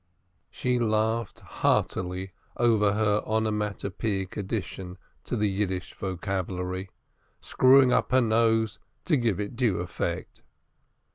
She laughed heartily over her onomatopoetic addition to the Yiddish vocabulary, screwing up her nose to give it due effect.